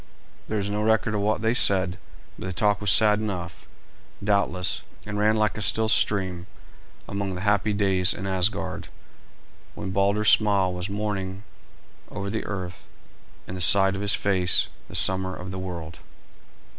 There is no record of what they said, but the talk was sad enough, doubtless, and ran like a still stream among the happy days in Asgard when Balder's smile was morning over the earth and the sight of his face the summer of the world.